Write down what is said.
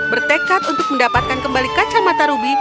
bertekad untuk mendapatkan kembali kacamata ruby